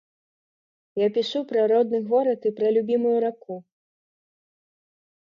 Я пішу пра родны горад і пра любімую раку.